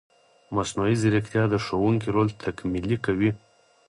مصنوعي ځیرکتیا د ښوونکي رول تکمیلي کوي.